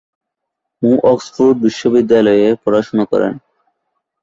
মো Oxford বিশ্ববিদ্যালয়ে পড়াশোনা করেন।